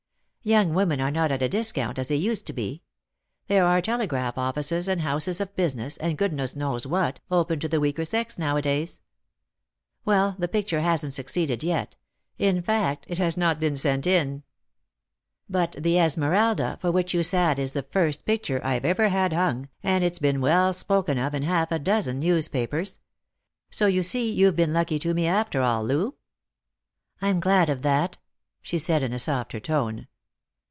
Young women are not at a discount as they used to be ; there are telegraph offices and houses of business, and goodness knows what, open to the weaker sex nowadays. Lost for Love. 95 Well, the picture hasn't succeeded yet ; in fact, it has not been sent in. But the ' Esmeralda ' for which you sat is the first picture I've ever had hung, and it's been well spoken of in half a dozen newspapers. So you see you've been lucky to me after all, Loo." " I'm glad of that," she said in a softer tone.